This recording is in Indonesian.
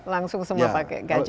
langsung semua pakai gadget ya